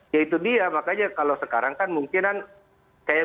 ya itu dia makanya kalau sekarang kan mungkin kan